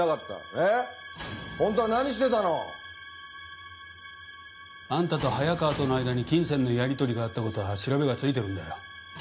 えっホントは何してたの？あんたと早川との間に金銭のやり取りがあったことは調べがついてるんだよ。